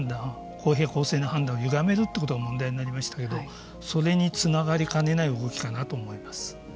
公平公正な判断をゆがめるということが問題になりましたけれどもそれにつながりかねない動きかなと思います。